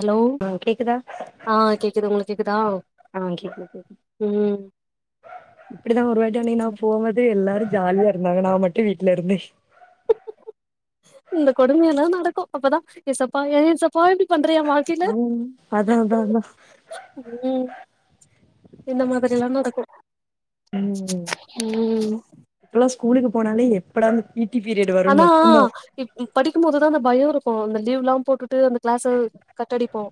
Hello ஆ கேக்குதா ஆ கேக்குது உங்களுக் கேக்குதா ஆ கேக்குது கேக்கு ம் இப்படிதா ஒரு வாட்டி அன்னைக்கி நா சரி. போவ த எல்லாரு ஜாலியா இருந்தாங்க நா மட்டு வீட்ல இருந்தே இந்த கொடுமையல்லி நடக்கு அப்பதா ஏசப்பா ஏசப்பா எப்படி பண்றியேப்பா அங் அத அதா அதா ம் இந்த மாதிரிலா நடக்கு ம் ம் இப்பல்லா ஸ்கூலுக்கு போனாலே எப்படா பீ டி பீரியட் வருன் மட்டுதா தன் படிக்கும் போதுதா அந்த பயோருக்கு அந்த லீவ்லா போட்டுட்டு அந்த கிளச கட்டடிப்போ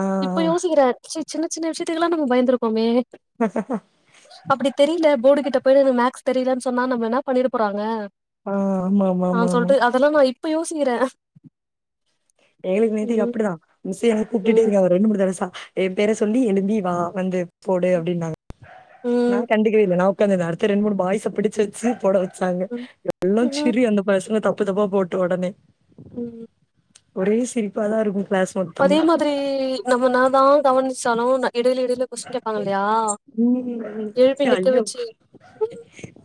ஆ இப்ப யோசிக்கிற ச்சி சின்ன சின்ன விஷயத்துக்கலா நம்ம பயந்துருக்கோமே ஹ அப்டி தெரியல போர்டு கிட்ட போயி என மேக்ஸ் தெரியலனு சொன்னா நம்ம என்ன பண்ணிட போறாங்க ஆ ஆமா ஆமா நா ஆமா ஆமா சொல்ட்டு அதெல்லா நா இப்ப யோசிக்கிறே எங்ளுக்கு நேத்து ம் அப்டிதா மிஸ் எங்கள கூப்டுட்டே ம் இருந்தாங்க ரெண்டு மூணு தடை சா எ பேரை சொல்லி எழும்பி வா வந்து போடு அப்டின்னாங்க நா ம் கண்டு இல்ல நா உக்காந்துருந்தே அடுத்து ரெண்டு மூணு பாய்ஸ் ச பிடிச்சு வச்சு போட வச் சாங்க ம் எல்லா ம் சிரி அந்த பசங்க தப்பு தப்பா போட்டு உடனே ம் ஒரே சிரிப்பா தா இருக்கு கிளாஸ் அதே மொத்தமா மாதிரி நம்ம என்னா தா கவனிச்சாலு இடையில இடையில கொஸ்டின் கேப் ப்பாங்க ம் எழுப்பி ஐயோ நிக்கவச்சு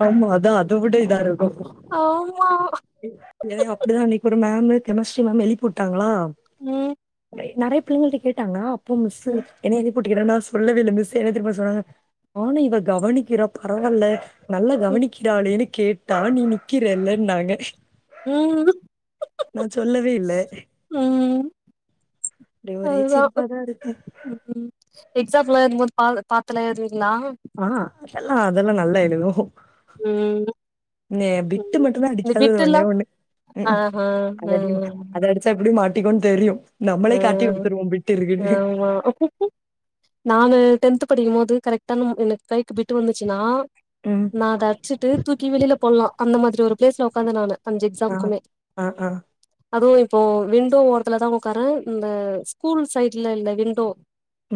ஆமா அதா அது விட இதாருக்கு ஆமா எனக்கு அப்டிதா அன்னைக்கு ஒரு மேம் கெமிஸ்ட்ரி மேம் எழுப்பி விட்டாங்ளா ம் நெறைய பிள்ளைங்கள்ட்ட கேட்டாங்ளா அப்போ மிஸ் ம் என்னய எழுப் கூப்ட்டிக்கிறா நான் சொல்லவே இல்ல மிஸ் என்ன தெரியுமா சொன்னாங்க நானூ இவ கவனிக்கிறா பரவால நல்லா ம் கவனிக்கிறாளேன்னு கேட்டா நீ நிக்கிறலன்னாங்க [unintelligible] நா சொல்லவே இல்ல ம் இங்க ஒரே சிரிப்பாதா இருக்கு ம் ம் எக்ஸாம்லா எழுதும்போது பா பாத்லா எழுதுவீங்ளா ஆ அதெல்லா அதெல்லா நல்லா எழுதுவோ ம் பிட்டு ம் மட்டு்தா இந்த அடிக்காதது ஒண்ணே பிட்டுல்லா ஒண்ணு ம் ஆஹா ஆ அதடிக்கணு அதடி எப்டி மாட்டிக்கோன்னு தெரியு நம்மளே காட்டி குடுத்துருவோ பிட்டு இருக்குன்னு [unintelligible] நான் டென்த் படிக்கும் போது கரெக்டா நம் என் கைக்கு பிட்டு வந்துச்சுனா ம். நா அதை அச்சிட்டு தூக்கி வெளியில போலாம் அந்த மாதிரி ஒரு பிளேஸ்ல உக்காந்தே நானு அஞ்சு ஆ. எக்ஸாம்க்குமே ஆ, ஆ. அதுவு இப்போ விண்டோ ஓரத்துல தா உக்காந் க்கறே இந்த ஸ்கூல் சைட்ல உள்ள விண்டோ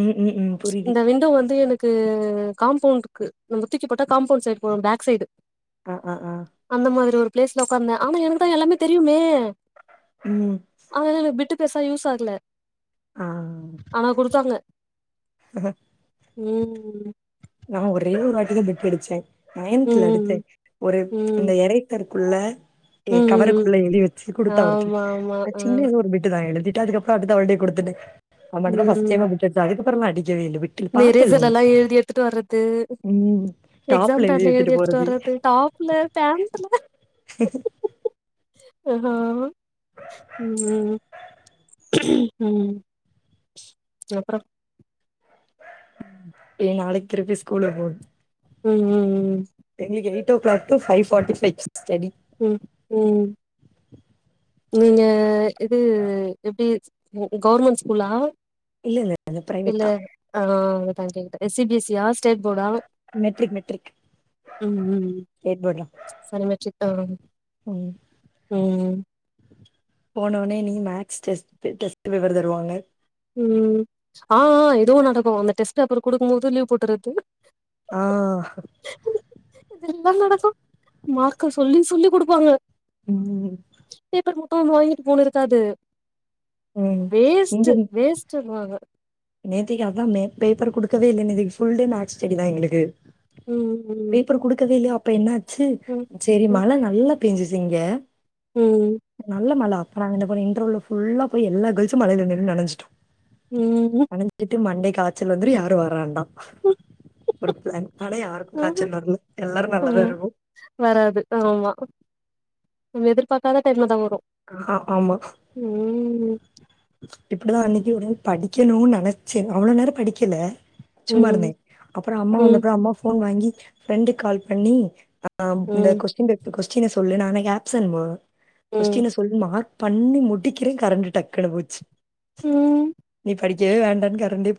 ம், ம், ம். புரியுது. இந்த விண்டோ வந்து எனக் க்கு காம்பவுண்ட்க்கு நம்ம தூக்கி போட்டா காம்பௌண்ட் சைடு போறோ பேக் சைடு ஆ ஆ ஆ அந்த மாதிரி ஒரு பிளேஸ்ல உக்காந்தே ஆனா எனக்குதா எல்லாமே தெரியுமே ம் ஆனா எனக் பிட்டு பெருசா யூஸ் ஆகல ஆ ஆனா குடுத்தாங்க [unintelligible] ம் நா ஒரே ஒரு வாட்டிதா பிட் அடிச்சே நயன்துல அடிச்சே ம் ஒரு ம் ம் அந்த எறைத்தர் குள்ள இத ம் கவரக்குள்ள எழுதி வச்சு குடுத்தா ஒருத்தி, ஆமா ஆமா நா ஆ சின்ன ஏதோ ஒரு பிட்டுதா எழுதிட்டு அதுக்கப் பாத்துட்டு அவள்டயே குடுத்துட்டே, அது மட்டு தா பஸ்ட் ம் டைமா பிட் அடிச்சே, அதுகப்றோ நா அடிக்கவே இல்ல பிட் இந்த எரேசர்லா எழுதி எடுத்ட்டு வர்றது ம் எக்ஸாம் டாப்ல பேட்ல வச்சுட்டு எழுதி எடுத்துட்டு போறது வர்றது டாப்ல பேண்ட்ல ஆமா ஆமா ம் ம் அப்றோ ஏ நாளைக்கு திருப்பி ஸ்கூலுக்கு போனு ம்ம்ம் எங்களுக்கு eight o'clock to ஃவைவ்ஃபாட்டி five study ம் ம் நீங்க இது எப்டி கவர்மெண்ட் ஸ்கூலா இல்ல இல்ல அது பிரைவேட் தா ஆஹ் அததா கேட்டேன் எ சி பி ஸி யா ஸ்டேட் போர்டா மெட்ரிக் மெட்ரிக் ஸ்டேட் போர்டுல சனிமெச்சித்தாவன் ம் போனோனே நீ மேக்ஸ் டெஸ்டு டெஸ்ட் பேப்பர் தருவாங்க ம் ஆஹ் ஆஹ் இதுவு நடக்கு, அந்த டெஸ்ட் பேப்பர் குடுக்கு போது லீவ் போட்டுறது ஆ ஹா இதெல்லா நடக்கு மார்க்க சொல்லி சொல்லி குடுப்பாங்க ம் பேப்பர் மட்டு வந்து வாங்கிட்டு போணு இருக்காது ம். வேஸ்ட்டு வேஸ்ட்டு மாக நேத்திக்கி அதான் மே பேப்பர் குடுக்கவே இல்லனு நேத்திக்கு ஃபுல் டே மேக்ஸ் ஸ்டெடி தா எங்களுக்கு ம் ம் பேப்பர் குடுக்கவே இல்லயா அப்ப என்னாச்சு செரி ம் மழ நல்லா பெஞ்சுச்சு இங்க ம் நல்ல மழ அப்ப நாங்க என்னபண்ணோ இன்ட்றவல ஃபுல்லா போய் எல்லா கேர்ள்ஸும் மழல நின்னு நெனஞ்சிட்டோ ம் உம் நெனஞ்சிட்டு மண்டே காய்ச்சல் வந்துரு யாரு வர வேண்டா ஒரு பிளான் பண்ணா யாருக்கு ஆஹா காய்ச்சல் வரல எல்லாரு ஆ நல்லாதா இருக்கு வராது ஆமா நம்ம எதிர்பாக்காத டைம்லதா வ ஹா ஆமா இப்டிதா அன்னைக்கு ஒடனே படிக்கணுனு நெனைச்சே அவ்ளோ நேரோ படிக்கல சும்மாருந்தே ம் அப்பறோ அம்மா வந்த ம் அப்றோ அம்மா ஃபோன் வாங்கி ஃப்ரெண்டு கால் பண்ணி அ ஆம் இந்த ம் கொஸ்டின் பேப்பர் கொஸ்டின சொல்லு நா அன்னைக்கி ஆப்சென்ட் மா ம் கொஸ்டின சொல்லி மார்க் பண்ணி முடிக்கிறே கரண்டு டக்குனு போச்சு ம் நீ படி க்கவே வேண்டானு கரண்டே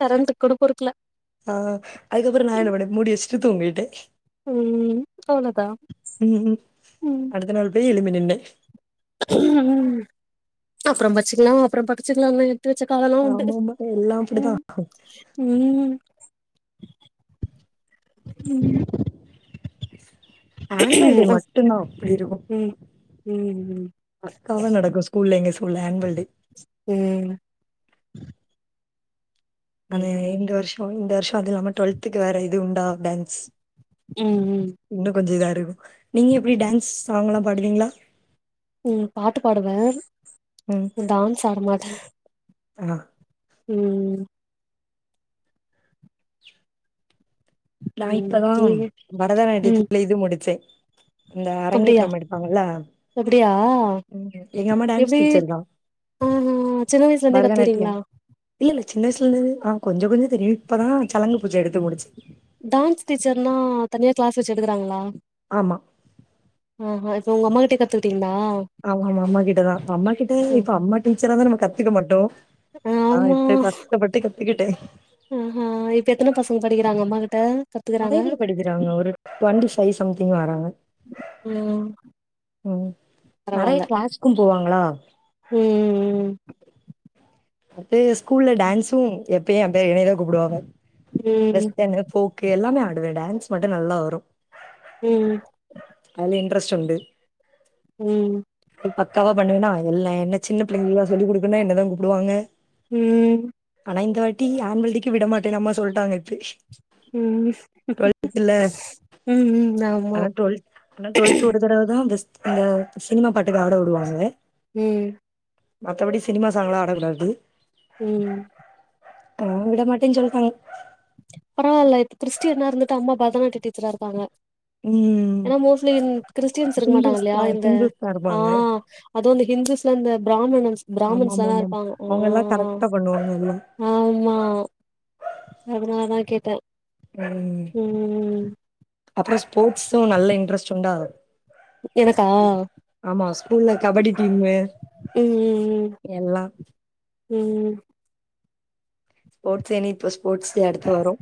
கரண்ட்க்கு கூட பொறுக்கல ஆஹ் அதுக்கப்பறோ நா என்ன பண்ணே மூடி வச்சிட்டு தூங்கிட்டே ம் அவ்ளோதா ம் ம் அடுத்த நாள் போய் எழும்பி நின்னே ம் அப்பற பச்சுக்கலா அப்பறோ படிச்சுக்கலானு விட்டுவச்ச காலெல்லா உண்டு ஆமாமா எல்லாம் அப்படிதான். உம் ம் ம் ஆனுவல் டே அப் மட்டு தா அப்டி இருக்கு ம் ம் பக்காவா நடக்கு ஸ்கூல்ல எங்க ஸ்கூல்ல ஆனுவல் டே உம் அதே ம் எங்க வருஷோ இந்த வருஷோ அதுவு இல்லாம டுவெல்த்துக்கு வேற இது உண்டா டான்ஸ் ம் ம் இன்னு கொஞ்சோ இதா இருக்கு நீங்க எப்டி டான்ஸ் சாங் எல்லா பாடுவீங்களா ம் பாட்டு பாடுவே டான்ஸ் ஆட மாட்டே எனா ம் நா ம் இப்பதா நீங்க ம் பரதநாட்டியத்தில இது முடிச்சே இந்த அப்டியா அரங்கேற்றம் எடுப்பாங்கள அப்டியா எங்க அம்மா டான்ஸ் எப்டி டீச்சர் தா ஆ ஹா சின்ன வயசுல இருந்தே கத்துறீங்களா இல்ல இல்ல சின்ன வயசல இருந்து ஆ கொஞ்சோ கொஞ்சோ தெரியு இப்பதா சலங்கு பூஜ எடுத்து முடிச்சே டான்ஸ் டீச்சர்னா தனியா கிளாஸ் வச்சு எடுக்கறாங்களா ஆமா ஓஹோ இப்ப உங்க அம்மா கிட்டேயே கத்துக்கிட்டீங்களா ஆமா ஆமா அம்மா கிட்டதா அம்மா கிட்ட ம் இப்ப அம்மா டீச்சரா தான் நம்ம கத்துக்க மாட்டோ ஆ ஆமா எப்டி கஷ்டப்பட்டு கத்திக்கிட்டே ஆ ஹா இப்போ எத்தனை பசங்க படிக்கிறாங்க அம்மா கிட்ட கத்துக்கிறாங்க யாங்க ஒரு டுவெண்டிஃபைவ் சம்திங்ல வராங்க [unintelligible] நறைய கிளாஸ்க்கு போவாங்ளா ம் ம் ம் அடே ஸ்கூல்ல டான்ஸ்சு எப்பயு ஏ பே என்னயதா கூப்டுவாங்க ம் வெஸ்டன்னு ஃபோக் கு எல்லாமே ஆடுவே டான்ஸ் மட்டு நல்லா வரு ம் அய்ல இன்ட்ரஸ்ட் உண்டு ம் பக்காவா பண்ணுவேனா எல்லா என்ன சின்ன பிள்ளைங்லா சொல்லி குடுக்குன்னா என்னதா கூப்டுவாங்க ம் ஆனா இந்த வாட்டி ஆன்வல் டேக்கி விட மாட்டேன்னு அம்மா சொல்ட்டாங்க இப் ம் ம் ஆமா இந் தரவ தா பெஸ்ட் அ இந்த சினிமா பாட்டுக்கு ஆட உடுவாங்க ம் மத்த படி சினிமா சாங்லா ஆட கூடாது ம் ஆ விட மாட்டேன் சொல்தாங்க பரவால்ல இப் கிறிஸ்டியனா இருந்துட்டு அம்மா பரதநாட்டிய டீச்சரா இருக்காங்க ம் ஏனா மோஸ்ட்லி இந் கிறிஸ்டியன்ஸ் இருக்க மாட்டாங்க ஹிந்துஸ் இல்லயா தா இந்த ஹிந்துஸ் தா ஆ இருப்பாங்க அது இந்த ஹிந்துஸ் ல அந்த பிராமனன்ஸ் பிராமன்ஸ்ல தா ஆமாமாமா இருப்பாங்க ஆ அவங்கல்லா கரெக்டா பண்ணுவாங்க எல்லா ஆம்மா அதனாலதா கேட்டே ம் அப்றோ ஸ்போட்ஸ்சு நல்ல இன்ட்ரெஸ்ட் உண்டா எனக்கா ஆமா ஸ்கூல்ல கபடி டீமு ம் எல்லா ம் ஸ்போட்ஸ் டேன்னு இப்போ ஸ்போர்ட்ஸ் டே அடுத்து வரு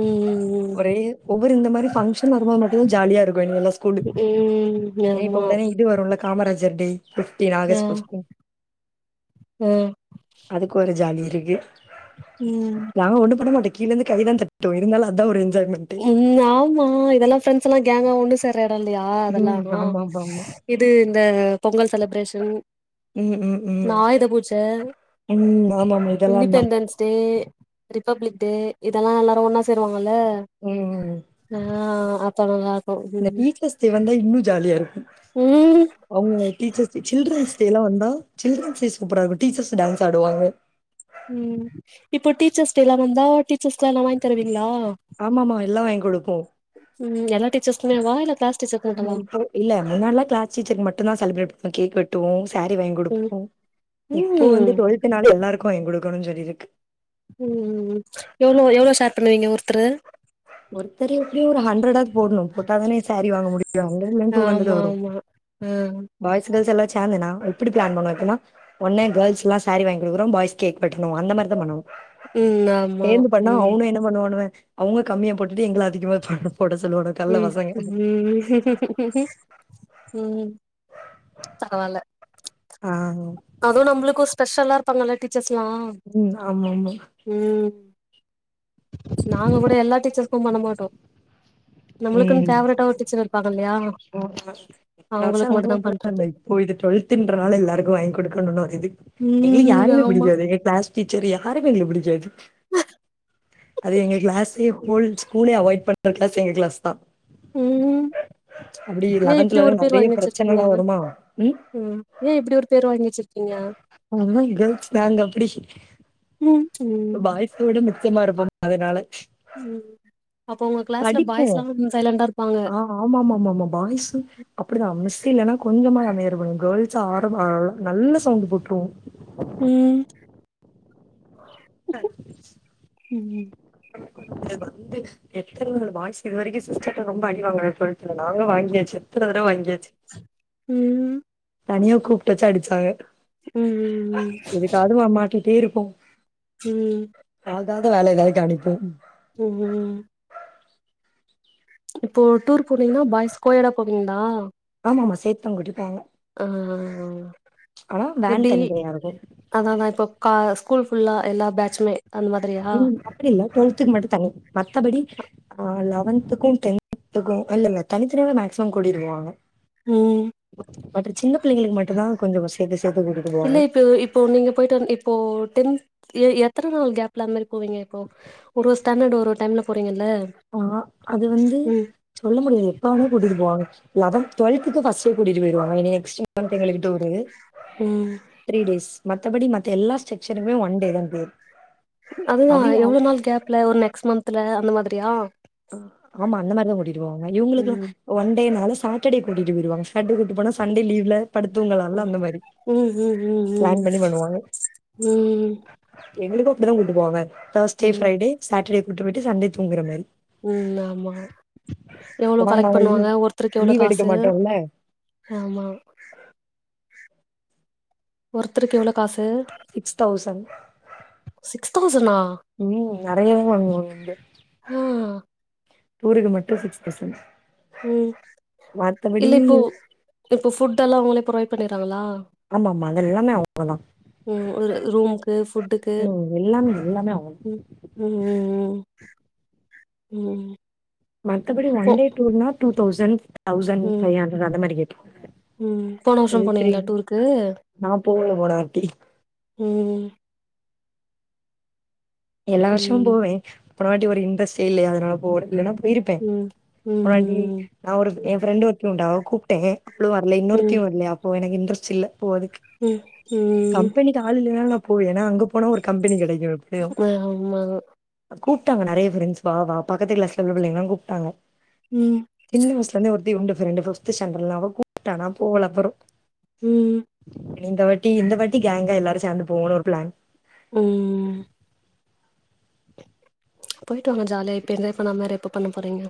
ம் ஒரே ஒவ்வொரு இந்த மாரி பங்க்ஷன் வரும்போது மட்டு தா ஜாலியாருக்கு [inaudible] ம் ம் ஏ இப்ப ஆமா உடனே இது வருல காமராஜர் டே ஃபிஃப்டீன் ஆகஸ்ட் ஃபிஃப் ம் அதுக்கு ஒரு ஜாலி இருக்கு ம் நாங்க ஒன்னு பண்ண மாட்ட கீழ இருந் கை தா தட்டுவே இருந்தாலு அதா ஒரு என்ஜாய்மெண்ட் ம் ஆமா இதெல்லா ஃபிரண்ட்ஸ் எல்லா கேங்கா ஒன்னு சேர எடோ இல்லையா ம். அதெல்லாவு ஆமாமாமா. இது இந்த பொங்கல் செலப்ரேஷன் ம், ம், ஆயுத பூஜ ஆமாம் இதெல்லாம் தான். பெண்டன்ஸ் டே ரிப்பப்ளிக் டே இதெல்லா எல்லாரு ஒன்னா சேருவாங்கல்ல ம் ம் ஆ அப்ப நால்லா இந்த [unintelligible] டே வந்தா இன்னு ஜாலியாருக்கு ம் அவுங்க ங்க டீச்சர்ஸ் சில்ட்ரன்ஸ் டேலா வந்தா சில்ட்ரன்ஸ் டே சூப்பராருக்கு டீச்சர்ஸ் டான்ஸ் ஆடுவாங்க ம் இப்போ டீச்சர்ஸ் டேலா வந்தா டீச்சர்ஸ் க்குலா எல்லா வாங்கி தர்விங்ளா ஆமாமா எல்லாம் வாங்கி குடுப்போம். ம் எல்லா டீச்சர்ஸ்க்குமே வா இல்ல கிளாஸ் டீச்சர் ஆமா மட்டுமா இப்போ இல்ல முன்னாடிலா க்ளாஸ் டீச்சர்க்கு மட்டும்தா செலிப்ரேட் பண்ணி கேக் வெட் ட்டுவோ சாரீ வாங்கி ம் குடுப்போ இப்போ வந்து ம் டுவெல்த்னால எல்லாருக்கு வாங்கி குடுக்கணுனு சொல்லிருக்கு ம் ம் ம் எவ்ளோ எவ்ளோ ஷேர் பண்ணுவிங்க ஒர்த்தரு ஒருத்தர் எப்டியு ஒரு ஹண்ட்ரடாது போடணு போட்டா தானே சாரீ வாங்க முடியு [unintelligible] இருந்து டூ ஹண்டிரென்ட் ஆமா வரு ஆமா ஆ பாய்ஸ் கேள்ஸ் எல்லா சேந்து நாங்க இப்டி பிளான் பண்ணோ எப்டினா ஒன்னு கேள்ஸ்லா சாரி வாங்கி குடுக்குறோ பாய்ஸ் கேக் வெட்ணு அந்த மாரி தா பண்ணனு ம் ஆமா சேந்து பண்ணா ம் அவுனோ என்ன பண்ணுவானுவ அவுங்க கம்மியா போட்டுட்டு எங்கள அதிகமா போட சொல்லுவானா ம் ம் ம் பரவால ஆ அதுவு நம்மளுக்கு ஸ்பெஷல்லா இருப்பாங்கல்ல டீச்சர்ஸ்லா ம் ஆமா ஆமா ம் நாங்க கூட எல்லா டீச்சர்சுக்கு பண்ணமாட்டோ நம்மளுக்குன்னு ம் ஃபேவரட்டா ஒரு டீச்சர் இர் பாகல்லையா அவுங்களுக்கு மட்டுந்தா பண்றது ஒ இது டுவெல்துன்றனால எல்லாருக்கு வாங்கி கொடுக்கணும்னு வருது எங்களுக்கு ம் யாருமே ஆமா பிடிக்காது எ கிளாஸ் டீச்சர் யாரையுமே எங்ளுக்கு புடிக்காது அது எங்க கிளாஸ்லயே ஹோல் ஸ்கூலே அவாய்ட் பண்ற கிளாஸ் எங்க கிளாஸ் தா ம் அப்டி ஏ இப்டி லெவன்த்லல்லா ஒரு பேர் நெறய வாங்கி பிரச்சனை வச்சிருக்கீங்க எல்லா வருமா ம் ம் ஏன் இப்டி ஒரு பேர் வாங்கி வச்சுருக்கீங்க அதேல்லா கேள்ஸ் காங் அப்டி ம் ம் துவிட மிச்சயமா இருப்போம் அதனால ம் அப்ப உங்க கிளாஸ்ல பாய்ஸ்லா சைலண்டா இருப்பாங்க ஆமா ஆமா ஆமா ஆமா பாய்ஸு அப்டிதா மிஸ் இல்லன்னா கொஞ்சமாவது அமைதியா இருப்பானுங்க கேர்ள்ஸ் ஆ [unintelligible] நல்ல சவுண்ட் போற்றுவோ ம் ம் அ வந்து எத்தன நாள் பாய்ஸ் இதுவரைக்கு சிஸ்டர்ட ரொம்ப அடி வாங்கல டொல்த்துல நாங்க வாங்கியாச்சு எத்தன தடவ வாங்கியாச்சு ம் தனியா கூப்ட்டு வச்சு அடுச்சாங்க ம் ம் ம் எதுக்காது வம் மாட்டிட்டே இருப்போம் ம் நாதாவது வேல எதாவது கணிப்போம் ம் இப்போ டூர் போனீங்ன்னா பாய்ஸ் கோயடா போவீங்ளா ஆமா ஆமா சேத்து தா கூட்டிப்பாங்க ஆ ஆ ஆ வேன் எப்டி தனித்தனியா இருக்கும் ஆதா தா இப்போ கா ஸ்கூல் ஃபுல்லா எல்லா பேச்சுமே அந்த மாதிரியா அப்டி இல்ல டுவல்த்துக்கு மட்டு தனி மத்தபடி ஆ லவன்துக்கு டென்த்துக்கு இல்லல்ல தனித் தனியாவே மேக்சிமம் கூட்டிட்டு போவாங்க ம் மற்ற சின்ன பிள்ளைங்களுக்கு மட்டு தா கொஞ்சோ வ சேத்து சேத்து கூட்டிட்டு போவாங்க இல்ல இப்போ இப்போ நீங்க போயிட்டு வந் இப்போ டென்த் எ எத்தன நாள் கேப்ல அந்த மாரி போவீங்க இப்போ ஒரு ஒரு ஸ்டாண்டர்டு ஒரு ஒரு டைம்ல போறீங்கல்ல ஆ அது வந்து ம் சொல்ல முடியாது எப்ப வேணா கூட்டிட்டு போவாங்க லெவன்த் டுவெல்த்துக்கு ஃபர்ஸ்டே கூட்டிட்டு போயிருவாங்க எனி எக்ஸ்ட்ரீம் [unintelligible] எங்களுக்கு டூரு ம் த்ரீ டேஸ் மத்தபடி மத்த எல்லா செக்க்ஷனுமே ஒன் டே தான் டூரு அதுதா எவ்ளோ நாள் கேப்ல ஒரு நெக்ஸ்ட் மந்த்ல அந்த மாதிரியா ஆமா அந்த மாதிரிதா கூட்டிட்டு போவாங்க இவுங்களுக்குலா ம் ஒன்டே நாலு சாட்டர்டே கூட்டிட்டு போய்ருவாங்க சாட்டர்டே கூட்டிட்டு போனா சண்டே லீவ்ல படுத்து தூங்கலால அந்த மாதிரி ம் ம் ம் ம் பிளான் பண்ணி பண்ணுவாங்க ம் எங்களுக்கு அப்டி தா கூப்டு போவாங்க தர்ஸ்டே ம் ஃப்ரைடே சாட்டர்டே கூட்டிட்டு போயிட்டு சண்டே தூங்குற மாரி ம் ஆமா எவ்ளோ அப்பதான் கலெக்ட் நாங்க பண்ணுவாங்க ஒருத்தருக்கு எவ்ளோ லீவ் எடுக்க காசு மாட்டோம்ல ஆமா ஒருத்தருக்கு எவ்ளோ காசு சிக்ஸ் தௌசண்ட் சிக்ஸ் தௌசண்ணா உ நெறையாதா வாங்குவோ இங்க ஆ ஆ. ஊருக்கு மட்டு சிக்ஸ் தௌசண் உ இல்ல இப்போ இப்ப ஃபுட்டேல்லா அவங்களே ப்ரொவைட் பண்ணிடுறாங்களா ஆமா ஆமா அது எல்லாமே அவங்கதா உ ஒரு ரூம்க்கு ஃபுட்டுக்கு ம் எல்லாமே எல்லாமே அவங்க உ உ உ உ.... உ மத்தபடி ஒன்டே டூர்னா two thousand thousand five hundred அந்த மாரி ரேட் உ போன வருஷோ போனீங்களா டூருக்கு நான் போகல போன வாட்டி உ எல்லா வருஷமு ம் போவே போனவாட்டி ஒரு இன்்ரெஸ்டே இல்லையா அதனால போவல இல்லனா போயிரு பேன் ம் ம் போனவாட்டி ம் நான் ஒரு என் ஃப்ரெண்ட் ஒருத்தியு உண்டு அவ கூப்ட்டே அவளுவரல ம் இன்னொருத்தியு வரலையா அப்போ எனக்கு இன்டரெஸ்ட் இல்ல போவதுக்கு உ உ காலைலில நா போவே ஏன்னா அங்க போனா ஒரு கம்பெனி கிடைக்கு ஆ ஆமா கூப்பிட்டாங்க நேறைய பிரெண்ட்ஸ் வா வா பக்கத்து கிளாஸ்ல உள்ள புள்ளைங்கல்லா கூப்பிட்டாங்க உ சின்ன வயசல இருந்தே ஒருத்தி உண்டு பிரண்டு பிப்த் ஸாண்டர்டல அவ கூப்டா நா ம் போவல அப்போறோ ம் இந்த வாட்டி இந்த வாட்டி கேங்கா எல்லாரு சேர்ந்து போவோன்னு ஒரு பிளான் ம் போயிட்டு வாங்க ஜாலியா இப்போ என்ஜாய் பண்ணமா எப்ப பண்ண போறீங்க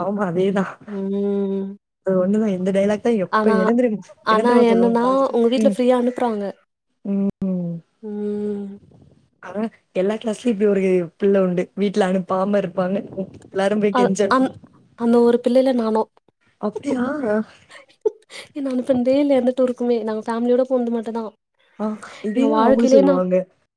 ஆமா அதேதா ம் அது ஒன்னுதா எந்த டைலாக் தா எப்ப ஆனா என்ன தெரியுமா என்ன ஆனா தெரியுமா சொல்லுவோ என்னன்னா லாஸ்ட் உங்க வீட்டுல ம் ஃப்ரீயா அனுப்றாங்க ம் ம் ஆனா எல்லா கிளாஸ்லயு இப்படி ஒரு பிள்ளை உண்டு வீட்டுல அனுப்பாம இருப்பாங்க எல்லாரு போய் கெஞ்ச னு அந்த ஒரு பிள்ளைல நானு அப்புடியா என்ன அனுப்புனதே இல்ல எந்த டுருக்குமே நாங்க பேமிலியோட போனது மட்டுதா ஆ இதேதா அவங்களு சொல்லுவாங்க